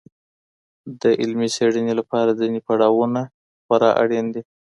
د علمي څېړني لپاره ځیني پړاوونه خورا اړین دي.